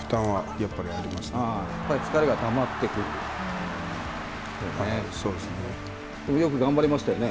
やっぱり、疲れがたまってくるでしょうね。